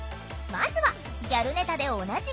まずはギャルネタでおなじみ